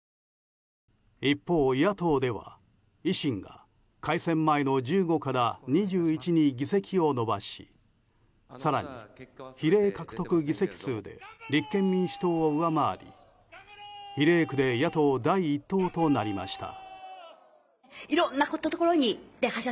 一方、野党では維新が改選前の１５から２１に議席を伸ばし更に、比例獲得議席数で立憲民主党を上回り比例区で野党第１党となりました。